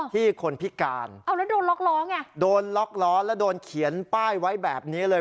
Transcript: ที่คนพิการเอาแล้วโดนล็อกล้อไงโดนล็อกล้อแล้วโดนเขียนป้ายไว้แบบนี้เลย